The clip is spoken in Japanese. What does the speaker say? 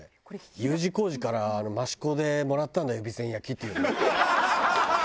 「Ｕ字工事から益子でもらったんだよ備前焼」って言うの？